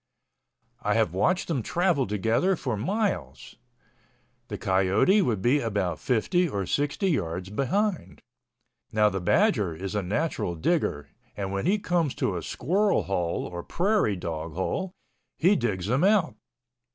I have watched them travel together for miles. The coyote would be about 50 or 60 yards behind. Now the badger is a natural digger and when he comes to a squirrel hole or prairie dog hole, he digs him out.